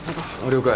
了解。